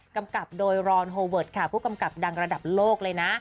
กำกับโดยรอนโฮเวิร์ดค่ะผู้กำกับดังระดับโลกเลยนะ